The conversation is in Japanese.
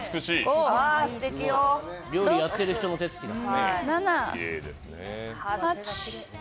料理やっている人の手つきだ。